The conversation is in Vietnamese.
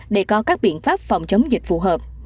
để có các biện pháp phòng chống dịch phù hợp